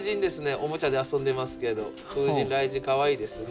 おもちゃで遊んでますけど風神雷神かわいいですね。